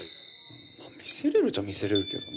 見せれるっちゃ見せれるけどね。